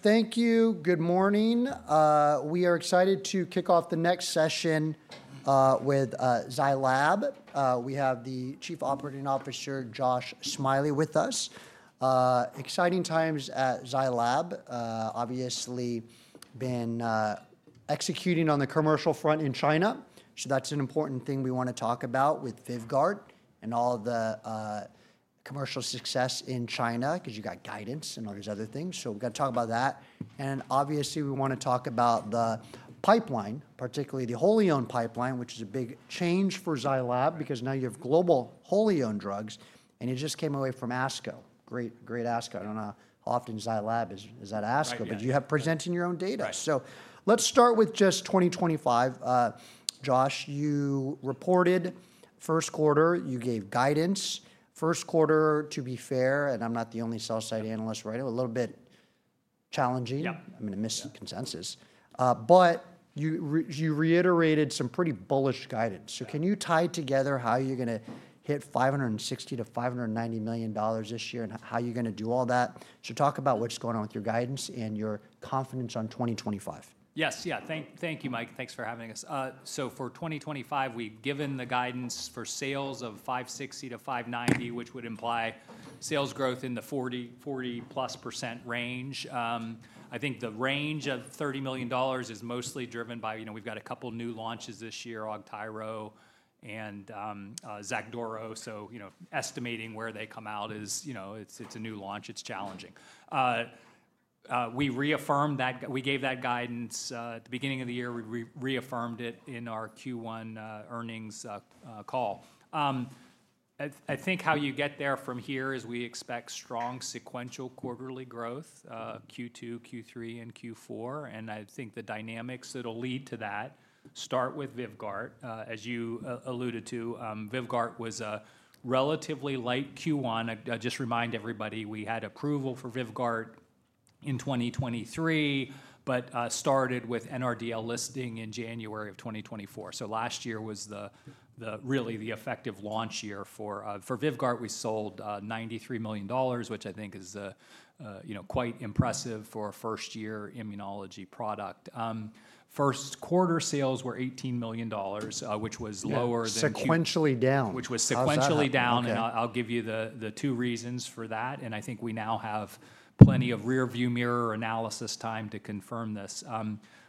Thank you. Good morning. We are excited to kick off the next session with Zai Lab. We have the Chief Operating Officer, Josh Smiley, with us. Exciting times at Zai Lab. Obviously, been executing on the commercial front in China. That is an important thing we want to talk about with Vivgaard and all the commercial success in China, because you got guidance and all these other things. We are going to talk about that. Obviously, we want to talk about the pipeline, particularly the wholly owned pipeline, which is a big change for Zai Lab, because now you have global wholly owned drugs. You just came away from ASCO. Great, great ASCO. I do not know how often Zai Lab is at ASCO, but you have presenting your own data. Let us start with just 2025. Josh, you reported first quarter, you gave guidance. First quarter, to be fair, and I'm not the only sell-side analyst writing, a little bit challenging. I'm going to miss consensus. You reiterated some pretty bullish guidance. Can you tie together how you're going to hit $560-$590 million this year and how you're going to do all that? Talk about what's going on with your guidance and your confidence on 2025. Yes. Yeah. Thank you, Mike. Thanks for having us. For 2025, we've given the guidance for sales of $560-$590, which would imply sales growth in the 40+% range. I think the range of $30 million is mostly driven by, you know, we've got a couple new launches this year, Oqtiro and Zacdoro. You know, estimating where they come out is, you know, it's a new launch. It's challenging. We reaffirmed that. We gave that guidance at the beginning of the year. We reaffirmed it in our Q1 earnings call. I think how you get there from here is we expect strong sequential quarterly growth, Q2, Q3, and Q4. I think the dynamics that will lead to that start with Vivgaard. As you alluded to, Vivgaard was a relatively light Q1. I just remind everybody we had approval for Vivgaard in 2023, but started with NRDL listing in January of 2024. Last year was really the effective launch year for Vivgaard. We sold $93 million, which I think is quite impressive for a first-year immunology product. First quarter sales were $18 million, which was lower than sequentially down. Which was sequentially down. I'll give you the two reasons for that. I think we now have plenty of rearview mirror analysis time to confirm this.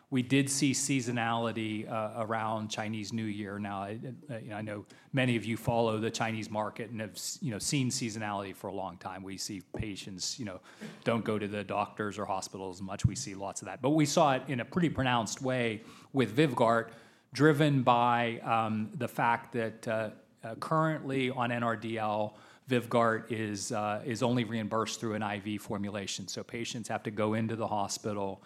We did see seasonality around Chinese New Year. I know many of you follow the Chinese market and have seen seasonality for a long time. We see patients, you know, do not go to the doctors or hospitals as much. We see lots of that. We saw it in a pretty pronounced way with Vivgaard, driven by the fact that currently on NRDL, Vivgaard is only reimbursed through an IV formulation. Patients have to go into the hospital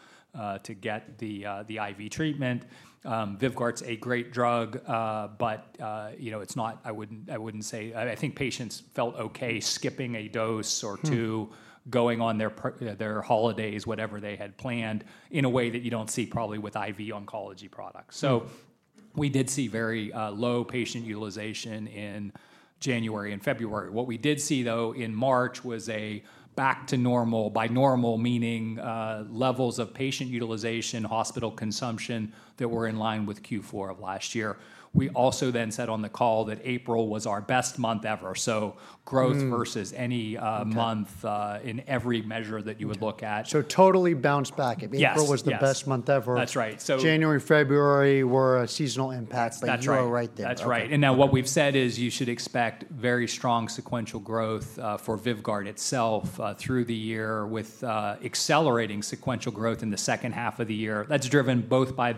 to get the IV treatment. Vivgaard's a great drug, but, you know, it's not, I wouldn't say, I think patients felt okay skipping a dose or two, going on their holidays, whatever they had planned, in a way that you don't see probably with IV oncology products. We did see very low patient utilization in January and February. What we did see, though, in March was a back to normal, by normal meaning levels of patient utilization, hospital consumption that were in line with Q4 of last year. We also then said on the call that April was our best month ever. Growth versus any month in every measure that you would look at. Totally bounced back. April was the best month ever. That's right. January, February were seasonal impacts that were right there. That's right. What we've said is you should expect very strong sequential growth for Vivgaard itself through the year with accelerating sequential growth in the second half of the year. That's driven both by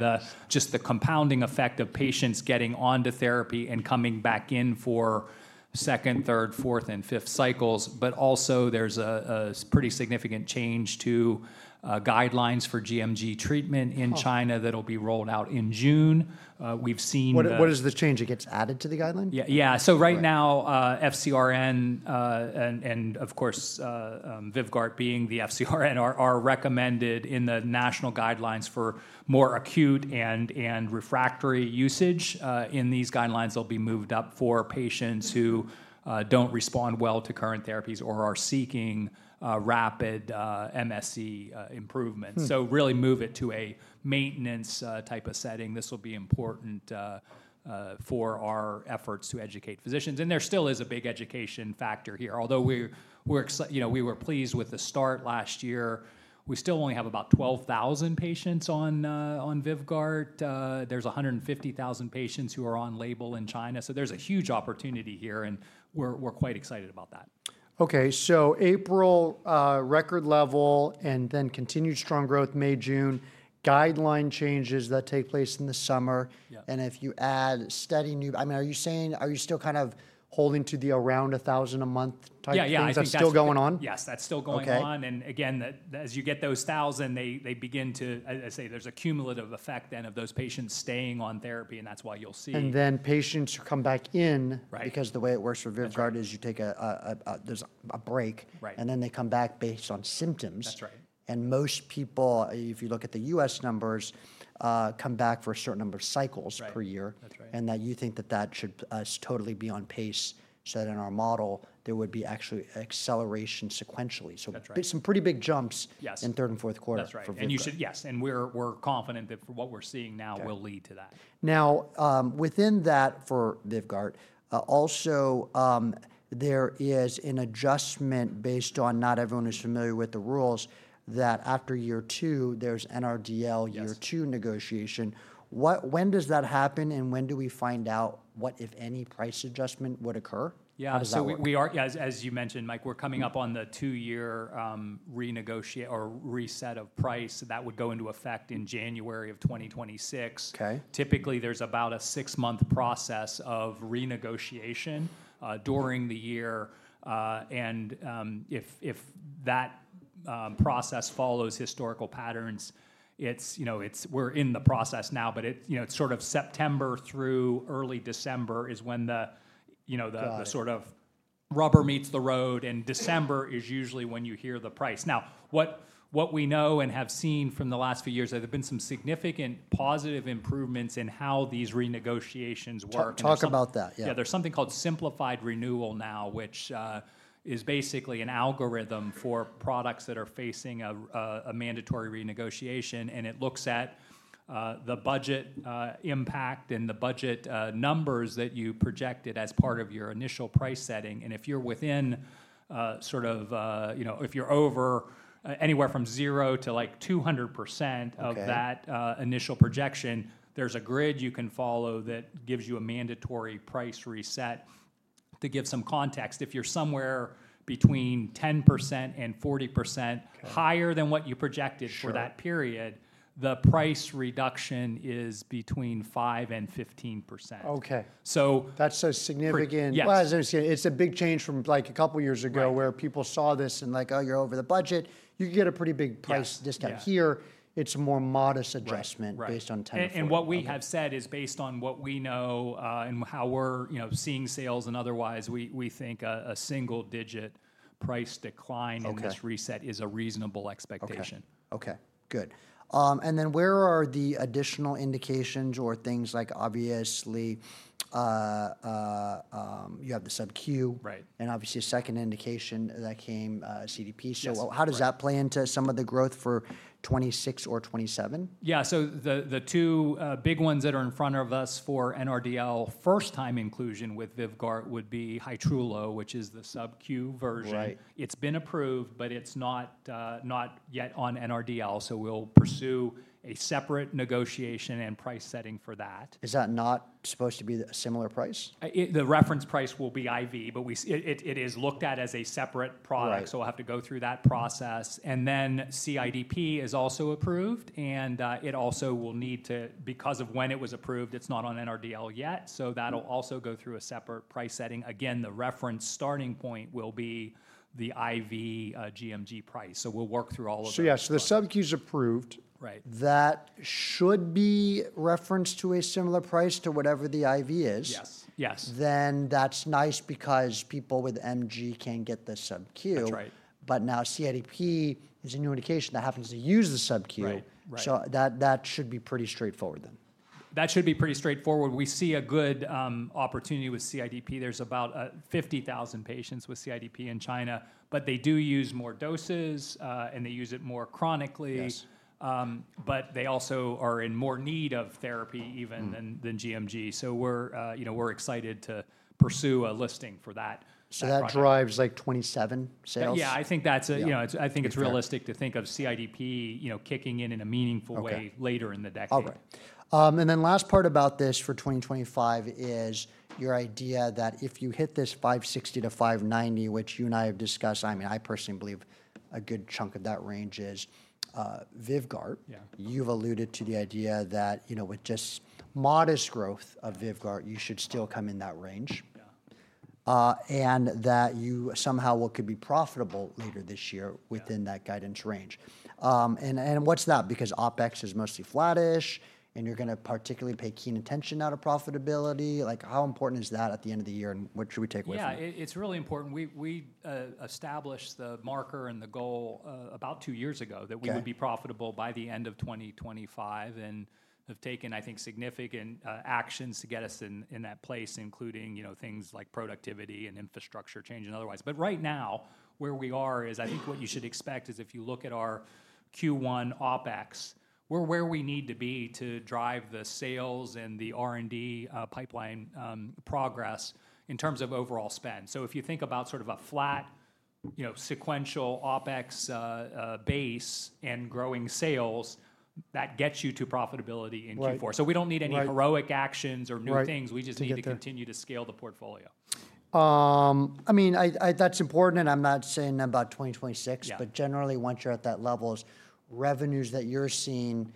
just the compounding effect of patients getting onto therapy and coming back in for second, third, fourth, and fifth cycles. There is also a pretty significant change to guidelines for GMG treatment in China that'll be rolled out in June. We've seen. What is the change? It gets added to the guideline? Yeah. Right now, FcRn and, of course, Vivgaard being the FcRn, are recommended in the national guidelines for more acute and refractory usage. In these guidelines, they'll be moved up for patients who do not respond well to current therapies or are seeking rapid MSC improvements. Really move it to a maintenance type of setting. This will be important for our efforts to educate physicians. There still is a big education factor here. Although we were pleased with the start last year, we still only have about 12,000 patients on Vivgaard. There are 150,000 patients who are on label in China. There is a huge opportunity here and we are quite excited about that. Okay. April record level and then continued strong growth May, June, guideline changes that take place in the summer. If you add steady new, I mean, are you saying, are you still kind of holding to the around 1,000 a month type of thing? Is that still going on? Yes, that's still going on. Again, as you get those thousand, they begin to, I say there's a cumulative effect then of those patients staying on therapy and that's why you'll see. Patients come back in because the way it works for Vivgaard is you take a break and then they come back based on symptoms. Most people, if you look at the US numbers, come back for a certain number of cycles per year. You think that that should totally be on pace so that in our model there would be actually acceleration sequentially. Some pretty big jumps in third and fourth quarter for Vivgaard. Yes. We are confident that what we are seeing now will lead to that. Now, within that for Vivgaard, also there is an adjustment based on not everyone is familiar with the rules that after year two, there is NRDL year two negotiation. When does that happen and when do we find out what, if any, price adjustment would occur? Yeah. As you mentioned, Mike, we're coming up on the two-year renegotiation or reset of price that would go into effect in January of 2026. Typically, there's about a six-month process of renegotiation during the year. If that process follows historical patterns, it's, you know, we're in the process now, but it's sort of September through early December is when the, you know, the sort of rubber meets the road and December is usually when you hear the price. Now, what we know and have seen from the last few years is there have been some significant positive improvements in how these renegotiations work. Talk about that. Yeah. There's something called simplified renewal now, which is basically an algorithm for products that are facing a mandatory renegotiation. It looks at the budget impact and the budget numbers that you projected as part of your initial price setting. If you're within sort of, you know, if you're over anywhere from zero to 200% of that initial projection, there's a grid you can follow that gives you a mandatory price reset. To give some context, if you're somewhere between 10% and 40% higher than what you projected for that period, the price reduction is between 5% and 15%. Okay. That's a significant, it's a big change from like a couple of years ago where people saw this and like, "Oh, you're over the budget." You can get a pretty big price discount. Here, it's a more modest adjustment based on time. What we have said is based on what we know and how we're, you know, seeing sales and otherwise, we think a single-digit price decline in this reset is a reasonable expectation. Okay. Good. Where are the additional indications or things like obviously you have the SubQ and obviously a second indication that came, CIDP. How does that play into some of the growth for 2026 or 2027? Yeah. The two big ones that are in front of us for NRDL first-time inclusion with Vivgaard would be Haitrulo, which is the SubQ version. It's been approved, but it's not yet on NRDL. We'll pursue a separate negotiation and price setting for that. Is that not supposed to be a similar price? The reference price will be IV, but it is looked at as a separate product. We'll have to go through that process. CIDP is also approved. It also will need to, because of when it was approved, it's not on NRDL yet. That'll also go through a separate price setting. Again, the reference starting point will be the IV GMG price. We'll work through all of that. Yeah, so the SubQ's approved. That should be referenced to a similar price to whatever the IV is. Yes. Yes. That is nice because people with MG can get the SubQ. Now CIDP is a new indication that happens to use the SubQ. That should be pretty straightforward then. That should be pretty straightforward. We see a good opportunity with CIDP. There are about 50,000 patients with CIDP in China, but they do use more doses and they use it more chronically. They also are in more need of therapy even than gMG. We are, you know, excited to pursue a listing for that. That drives like 27 sales? Yeah. I think that's, you know, I think it's realistic to think of CIDP, you know, kicking in in a meaningful way later in the decade. The last part about this for 2025 is your idea that if you hit this $560-$590, which you and I have discussed, I mean, I personally believe a good chunk of that range is Vivgaard. You've alluded to the idea that, you know, with just modest growth of Vivgaard, you should still come in that range. And that you somehow could be profitable later this year within that guidance range. What's that? Because OpEx is mostly flattish and you're going to particularly pay keen attention to profitability. How important is that at the end of the year and what should we take away from it? Yeah. It's really important. We established the marker and the goal about two years ago that we would be profitable by the end of 2025 and have taken, I think, significant actions to get us in that place, including, you know, things like productivity and infrastructure change and otherwise. Right now where we are is I think what you should expect is if you look at our Q1 OpEx, we're where we need to be to drive the sales and the R&D pipeline progress in terms of overall spend. If you think about sort of a flat, you know, sequential OpEx base and growing sales, that gets you to profitability in Q4. We do not need any heroic actions or new things. We just need to continue to scale the portfolio. I mean, that's important and I'm not saying about 2026, but generally once you're at that level, revenues that you're seeing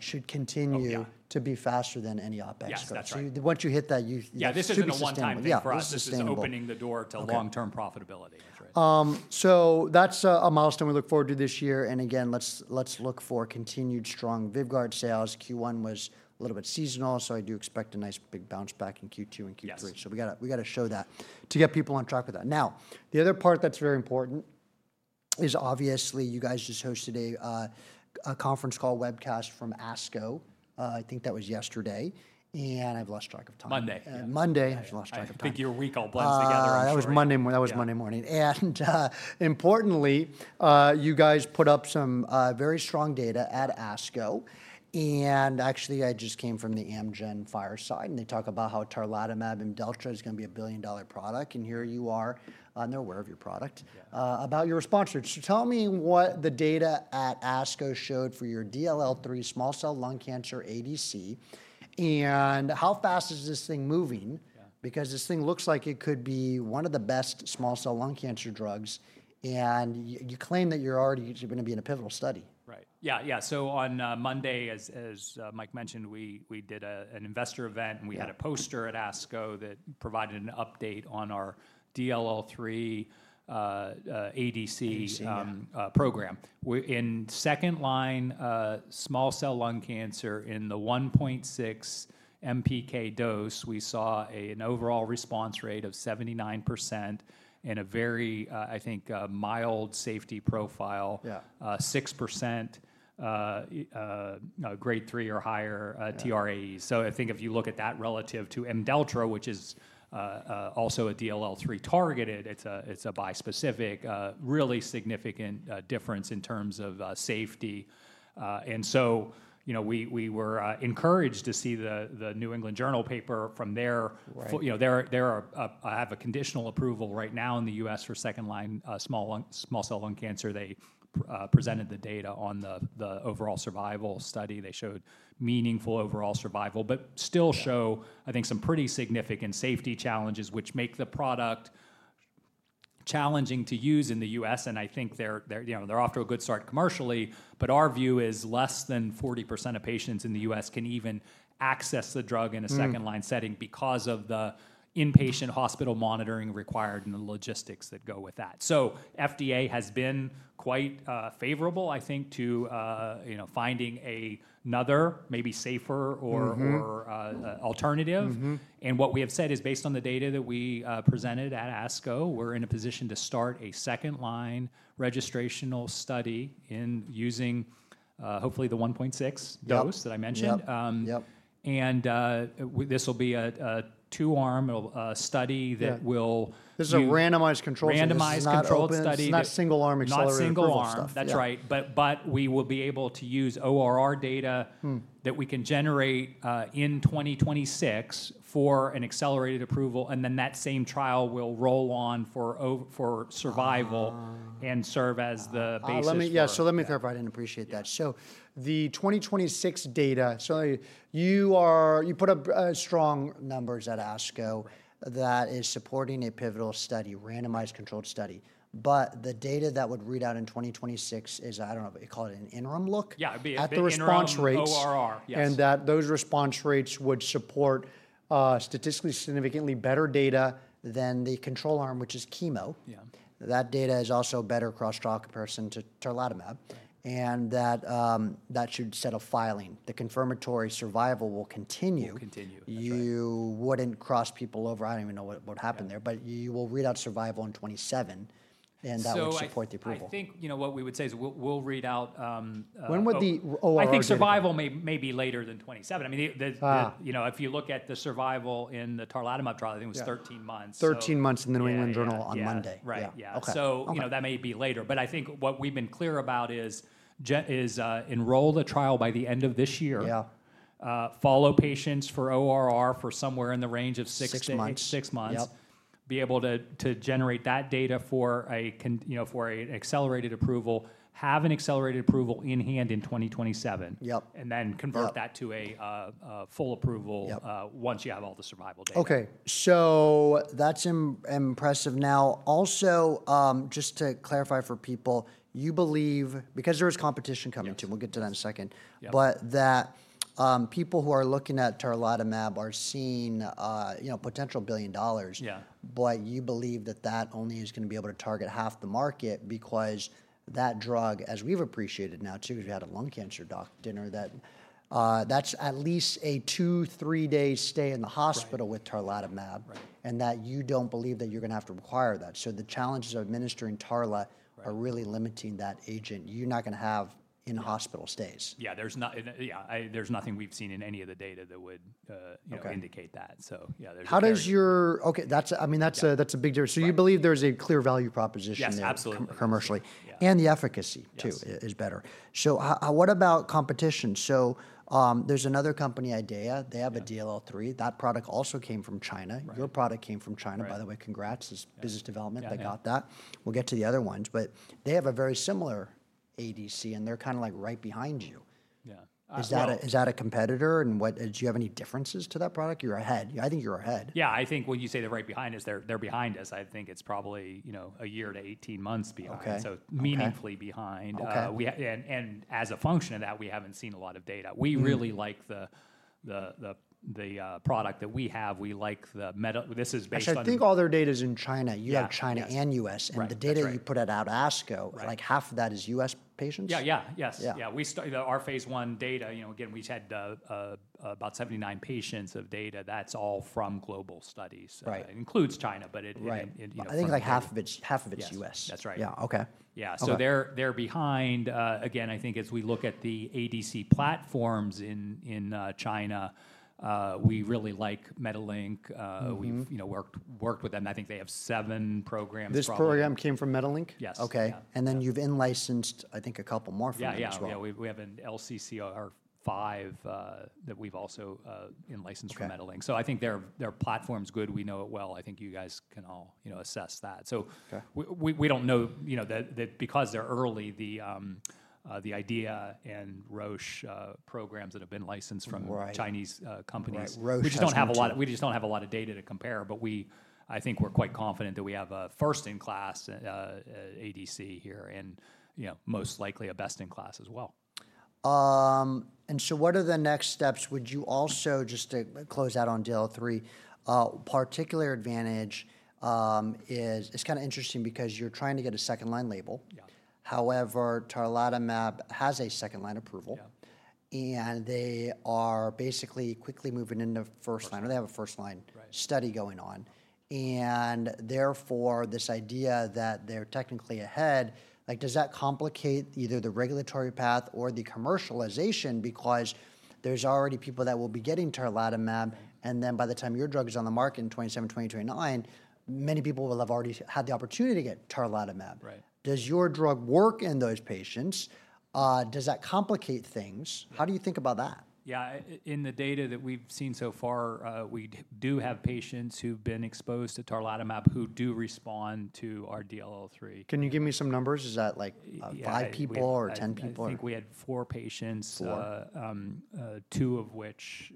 should continue to be faster than any OpEx goal. So once you hit that, you should be in a sustainable. Yeah. This is opening the door to long-term profitability. That's a milestone we look forward to this year. Again, let's look for continued strong Vivgaard sales. Q1 was a little bit seasonal. I do expect a nice big bounce back in Q2 and Q3. We got to show that to get people on track with that. Now, the other part that's very important is obviously you guys just hosted a conference call webcast from ASCO. I think that was yesterday. I've lost track of time. Monday. Monday. I've lost track of time. I think your week all blends together. That was Monday morning. Importantly, you guys put up some very strong data at ASCO. I just came from the Amgen fireside and they talk about how Tarlatamab, Imdelltra, is going to be a billion-dollar product. Here you are on their word of your product about your response. Tell me what the data at ASCO showed for your DLL3 small cell lung cancer ADC and how fast is this thing moving? This thing looks like it could be one of the best small cell lung cancer drugs. You claim that you're already going to be in a pivotal study. Right. Yeah. Yeah. On Monday, as Mike mentioned, we did an investor event and we had a poster at ASCO that provided an update on our DLL3 ADC program. In second line small cell lung cancer in the 1.6 mg/kg dose, we saw an overall response rate of 79% and a very, I think, mild safety profile, 6% grade three or higher TRAE. I think if you look at that relative to Imdelltra, which is also a DLL3 targeted, it's a bispecific, really significant difference in terms of safety. You know, we were encouraged to see the New England Journal paper from there. They have a conditional approval right now in the U.S. for second line small cell lung cancer. They presented the data on the overall survival study. They showed meaningful overall survival, but still show, I think, some pretty significant safety challenges, which make the product challenging to use in the U.S. I think they're off to a good start commercially, but our view is less than 40% of patients in the U.S. can even access the drug in a second line setting because of the inpatient hospital monitoring required and the logistics that go with that. FDA has been quite favorable, I think, to finding another maybe safer or alternative. What we have said is based on the data that we presented at ASCO, we're in a position to start a second line registrational study in using hopefully the 1.6 dose that I mentioned. This will be a two-arm study that will. This is a randomized control study. Randomized control study. It's not single-arm accelerated. Not single-arm. That's right. We will be able to use ORR data that we can generate in 2026 for an accelerated approval. That same trial will roll on for survival and serve as the basis. Yeah. Let me clarify. I did not appreciate that. The 2026 data, you put up strong numbers at ASCO that is supporting a pivotal study, randomized controlled study. The data that would read out in 2026 is, I do not know, they call it an interim look at the response rates. Those response rates would support statistically significantly better data than the control arm, which is chemo. That data is also better cross-trial comparison to Tarlatamab. That should set a filing. The confirmatory survival will continue. You would not cross people over. I do not even know what happened there, but you will read out survival in 2027. That will support the approval. I think, you know, what we would say is we'll read out. When would the ORR? I think survival may be later than 27. I mean, you know, if you look at the survival in the Tarlatamab trial, I think it was 13 months. 13 months in the New England Journal on Monday. Right. Yeah. So, you know, that may be later. But I think what we've been clear about is enroll the trial by the end of this year. Follow patients for ORR for somewhere in the range of six months. Be able to generate that data for a, you know, for an accelerated approval, have an accelerated approval in hand in 2027. And then convert that to a full approval once you have all the survival data. Okay. That's impressive. Now, also just to clarify for people, you believe, because there is competition coming too, we'll get to that in a second, but that people who are looking at Tarlatamab are seeing, you know, potential billion dollars. You believe that that only is going to be able to target half the market because that drug, as we've appreciated now too, because we had a lung cancer doc dinner, that's at least a two, three-day stay in the hospital with Tarlatamab. You don't believe that you're going to have to require that. The challenges of administering Tarlatamab are really limiting that agent. You're not going to have in-hospital stays. Yeah. There's nothing we've seen in any of the data that would indicate that. So yeah. How does your, okay, that's, I mean, that's a big difference. You believe there's a clear value proposition commercially. And the efficacy too is better. What about competition? There's another company, IDEAYA. They have a DLL3. That product also came from China. Your product came from China, by the way. Congrats. It's business development. They got that. We'll get to the other ones. They have a very similar ADC and they're kind of like right behind you. Is that a competitor? Do you have any differences to that product? You're ahead. I think you're ahead. Yeah. I think when you say they're right behind us, they're behind us. I think it's probably, you know, a year to 18 months behind. So meaningfully behind. As a function of that, we haven't seen a lot of data. We really like the product that we have. We like the Metalink. This is based on. I think all their data is in China. You have China and U.S. And the data you put out at ASCO, like half of that is U.S. patients? Yeah. Yeah. Yes. Yeah. Our phase one data, you know, again, we've had about 79 patients of data. That's all from global studies. Includes China, but it. I think like half of it's U.S. That's right. Yeah. Okay. Yeah. They're behind. Again, I think as we look at the ADC platforms in China, we really like Metalink. We've worked with them. I think they have seven programs for them. This program came from Metalink? Yes. Okay. And then you've in-licensed, I think, a couple more for you as well. Yeah. Yeah. We have an LCCR five that we've also in-licensed from Metalink. I think their platform's good. We know it well. I think you guys can all, you know, assess that. We don't know, you know, that because they're early, the IDEAYA and Roche programs that have been licensed from Chinese companies, which don't have a lot of, we just don't have a lot of data to compare, but I think we're quite confident that we have a first-in-class ADC here and, you know, most likely a best-in-class as well. What are the next steps? Would you also, just to close out on DLL3, particular advantage is kind of interesting because you're trying to get a second line label. However, Tarlatamab has a second line approval. They are basically quickly moving into first line, or they have a first line study going on. Therefore, this idea that they're technically ahead, does that complicate either the regulatory path or the commercialization because there's already people that will be getting Tarlatamab, and then by the time your drug is on the market in 2027-2029, many people will have already had the opportunity to get Tarlatamab. Does your drug work in those patients? Does that complicate things? How do you think about that? Yeah. In the data that we've seen so far, we do have patients who've been exposed to Tarlatamab who do respond to our DLL3. Can you give me some numbers? Is that like five people or ten people? I think we had four patients, two of which.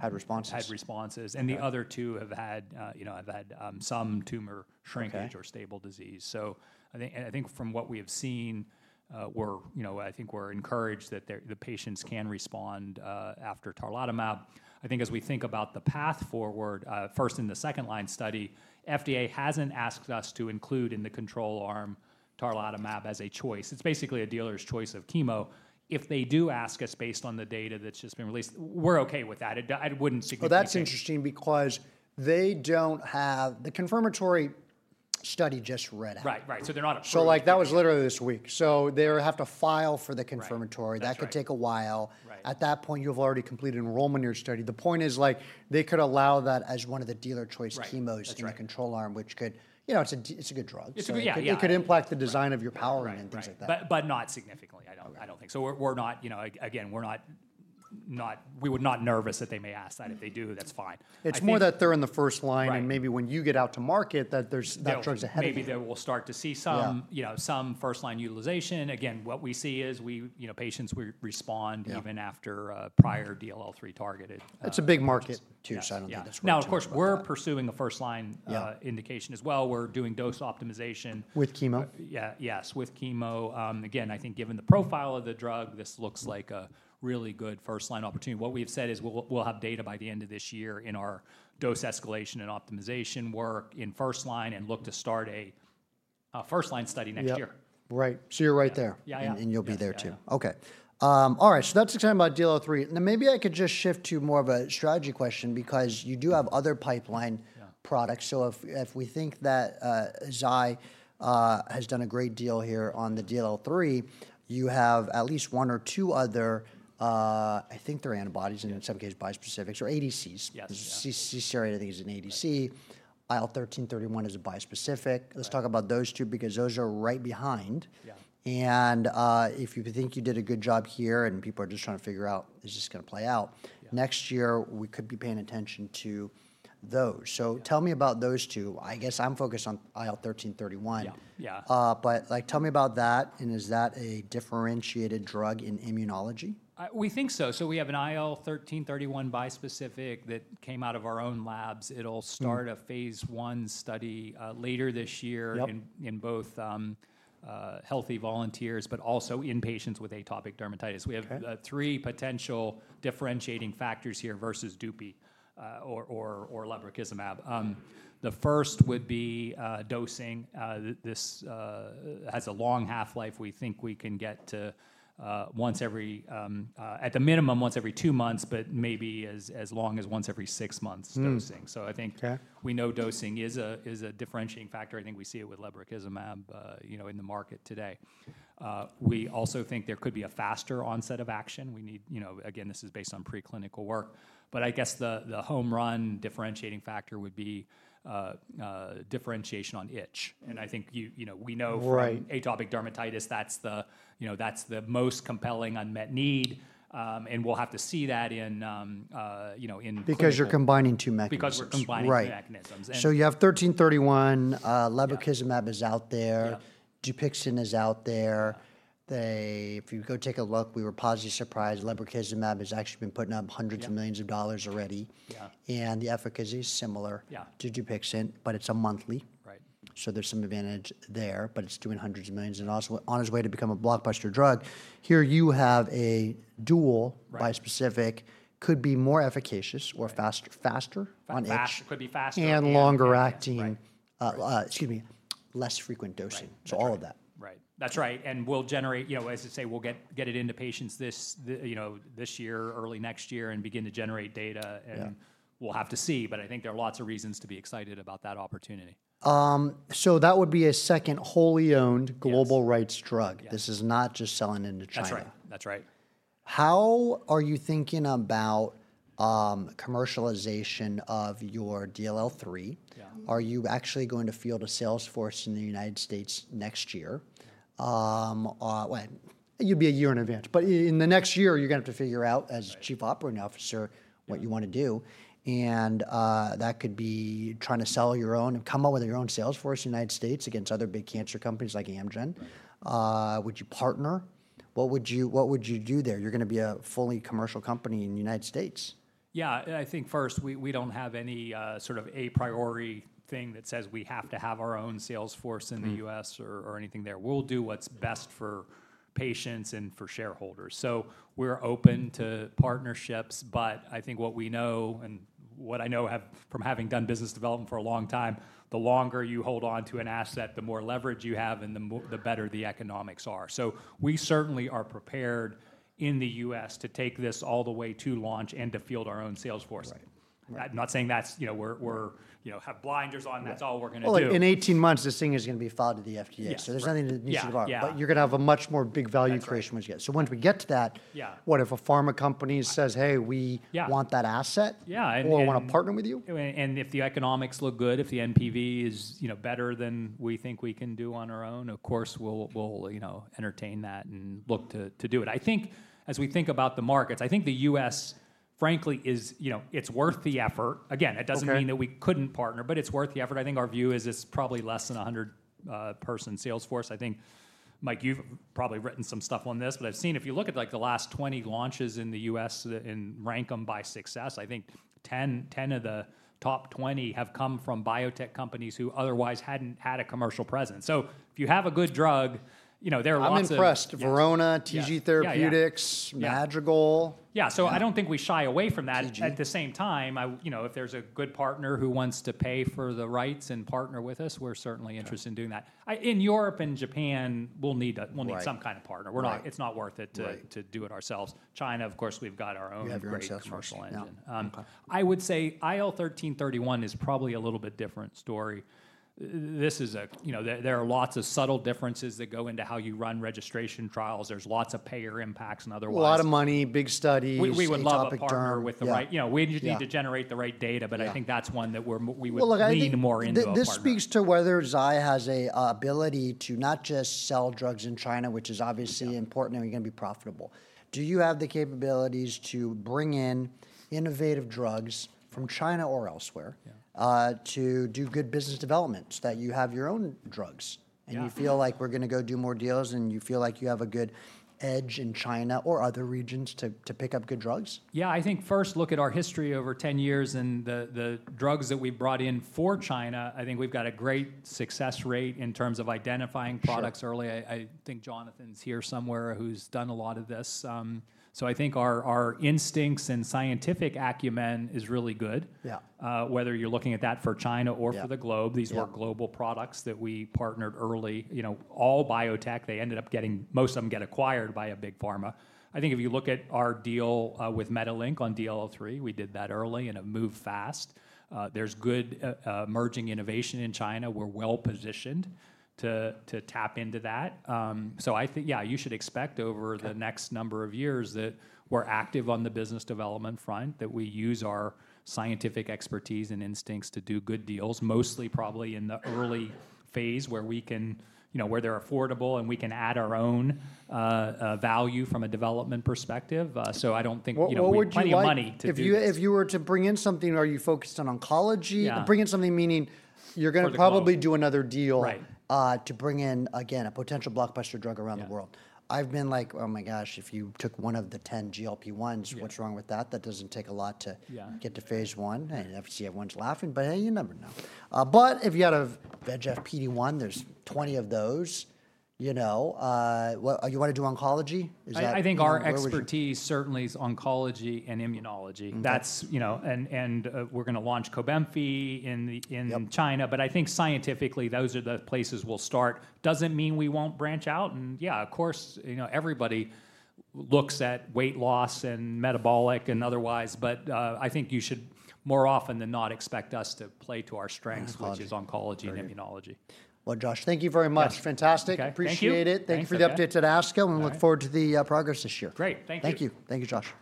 Had responses. Had responses. The other two have had, you know, have had some tumor shrinkage or stable disease. I think from what we have seen, we're, you know, I think we're encouraged that the patients can respond after Tarlatamab. I think as we think about the path forward, first in the second line study, FDA hasn't asked us to include in the control arm Tarlatamab as a choice. It's basically a dealer's choice of chemo. If they do ask us based on the data that's just been released, we're okay with that. I wouldn't suggest. That's interesting because they don't have the confirmatory study just read out. Right. Right. So they're not. Like that was literally this week. They have to file for the confirmatory. That could take a while. At that point, you've already completed enrollment in your study. The point is like they could allow that as one of the dealer choice chemos in the control arm, which could, you know, it's a good drug. It could impact the design of your power and things like that. Not significantly. I don't think so. We're not, you know, again, we're not, we would not be nervous that they may ask that. If they do, that's fine. It's more that they're in the first line and maybe when you get out to market that there's drugs ahead of you. Maybe they will start to see some, you know, some first line utilization. Again, what we see is we, you know, patients respond even after prior DLL3 targeted. It's a big market too. Now, of course, we're pursuing a first line indication as well. We're doing dose optimization. With chemo? Yeah. Yes. With chemo. Again, I think given the profile of the drug, this looks like a really good first line opportunity. What we've said is we'll have data by the end of this year in our dose escalation and optimization work in first line and look to start a first line study next year. Right. So you're right there. And you'll be there too. Okay. All right. That's the kind of DLL3. Maybe I could just shift to more of a strategy question because you do have other pipeline products. If we think that Zai has done a great deal here on the DLL3, you have at least one or two other, I think they're antibodies and in some cases bispecifics or ADCs. CCRA, I think, is an ADC. IL-1331 is a bispecific. Let's talk about those two because those are right behind. If you think you did a good job here and people are just trying to figure out how this is going to play out, next year we could be paying attention to those. Tell me about those two. I guess I'm focused on IL-1331. Like, tell me about that, and is that a differentiated drug in immunology? We think so. We have an IL-1331 bispecific that came out of our own labs. It'll start a phase one study later this year in both healthy volunteers, but also in patients with atopic dermatitis. We have three potential differentiating factors here versus Dupi or Levaquizumab. The first would be dosing. This has a long half-life. We think we can get to once every, at the minimum, once every two months, but maybe as long as once every six months dosing. I think we know dosing is a differentiating factor. I think we see it with Levaquizumab, you know, in the market today. We also think there could be a faster onset of action. We need, you know, again, this is based on preclinical work. I guess the home run differentiating factor would be differentiation on itch. I think, you know, we know for atopic dermatitis, that's the, you know, that's the most compelling unmet need. We'll have to see that in, you know, in. Because you're combining two mechanisms. Because we're combining mechanisms. You have IL-1331, Levaquizumab is out there. Dupixent is out there. If you go take a look, we were positively surprised. Levaquizumab has actually been putting up hundreds of millions of dollars already. The efficacy is similar to Dupixent, but it is a monthly. There is some advantage there, but it is doing hundreds of millions. Also on its way to become a blockbuster drug, here you have a dual bispecific, could be more efficacious or faster on itch. Faster, could be faster. Longer acting, excuse me, less frequent dosing. So all of that. Right. That's right. And we'll generate, you know, as you say, we'll get it into patients this, you know, this year, early next year and begin to generate data. We'll have to see. I think there are lots of reasons to be excited about that opportunity. That would be a second wholly owned global rights drug. This is not just selling into China. That's right. That's right. How are you thinking about commercialization of your DLL3? Are you actually going to field a sales force in the United States next year? You'd be a year in advance. In the next year, you're going to have to figure out as Chief Operating Officer what you want to do. That could be trying to sell your own and come up with your own sales force in the United States against other big cancer companies like Amgen. Would you partner? What would you do there? You're going to be a fully commercial company in the United States. Yeah. I think first we do not have any sort of a priority thing that says we have to have our own sales force in the US or anything there. We will do what is best for patients and for shareholders. We are open to partnerships. I think what we know and what I know from having done business development for a long time, the longer you hold on to an asset, the more leverage you have and the better the economics are. We certainly are prepared in the U.S. to take this all the way to launch and to field our own sales force. I am not saying that is, you know, we are, you know, have blinders on. That is all we are going to do. In 18 months, this thing is going to be filed to the FDA. There is nothing that needs to be hard. You are going to have a much more big value creation once you get it. Once we get to that, what if a pharma company says, hey, we want that asset? Or want to partner with you? If the economics look good, if the NPV is, you know, better than we think we can do on our own, of course, we'll, you know, entertain that and look to do it. I think as we think about the markets, I think the U.S., frankly, is, you know, it's worth the effort. Again, it doesn't mean that we couldn't partner, but it's worth the effort. I think our view is it's probably less than a 100 person sales force. I think, Mike, you've probably written some stuff on this, but I've seen if you look at like the last 20 launches in the U.S. and rank them by success, I think 10 of the top 20 have come from biotech companies who otherwise hadn't had a commercial presence. If you have a good drug, you know, there are lots. I'm impressed. Verona, TG Therapeutics, Madrigal. Yeah. So I do not think we shy away from that. At the same time, you know, if there is a good partner who wants to pay for the rights and partner with us, we are certainly interested in doing that. In Europe and Japan, we will need some kind of partner. It is not worth it to do it ourselves. China, of course, we have got our own very commercial engine. I would say IL-1331 is probably a little bit different story. This is a, you know, there are lots of subtle differences that go into how you run registration trials. There are lots of payer impacts and otherwise. A lot of money, big studies. We would love to partner with the right, you know, we need to generate the right data, but I think that's one that we would need more into. This speaks to whether Zai Lab has an ability to not just sell drugs in China, which is obviously important and we're going to be profitable. Do you have the capabilities to bring in innovative drugs from China or elsewhere to do good business developments that you have your own drugs? And you feel like we're going to go do more deals and you feel like you have a good edge in China or other regions to pick up good drugs? Yeah. I think first look at our history over 10 years and the drugs that we brought in for China. I think we've got a great success rate in terms of identifying products early. I think Jonathan's here somewhere who's done a lot of this. I think our instincts and scientific acumen is really good. Whether you're looking at that for China or for the globe, these were global products that we partnered early, you know, all biotech. They ended up getting, most of them get acquired by a big pharma. I think if you look at our deal with Metalink on DLL3, we did that early and it moved fast. There's good emerging innovation in China. We're well positioned to tap into that. I think, yeah, you should expect over the next number of years that we're active on the business development front, that we use our scientific expertise and instincts to do good deals, mostly probably in the early phase where we can, you know, where they're affordable and we can add our own value from a development perspective. I don't think, you know, we have any money to do that. If you were to bring in something, are you focused on oncology? Bring in something meaning you're going to probably do another deal to bring in, again, a potential blockbuster drug around the world. I've been like, oh my gosh, if you took one of the 10 GLP-1s, what's wrong with that? That doesn't take a lot to get to phase one. And you see everyone's laughing, but hey, you never know. If you had a VEGF PD-1, there's 20 of those, you know. You want to do oncology? I think our expertise certainly is oncology and immunology. That's, you know, and we're going to launch Cobimetinib in China. I think scientifically those are the places we'll start. Doesn't mean we won't branch out. Yeah, of course, you know, everybody looks at weight loss and metabolic and otherwise. I think you should more often than not expect us to play to our strengths, which is oncology and immunology. Josh, thank you very much. Fantastic. Appreciate it. Thank you for the update to ASCO and look forward to the progress this year. Great. Thank you. Thank you. Thank you, Josh.